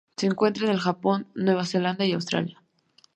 Se encuentra en el Japón, Nueva Zelanda y Australia.